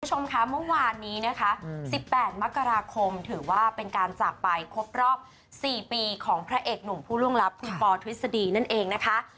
คุณผู้ชมคะเมื่อวานนี้นะคะ๑๘มกราคมถือว่าเป็นการจากไปครบรอบ๔ปีของพระเอกหนุ่มผู้ล่วงลับคุณปอทฤษฎีนั่นเองนะคะ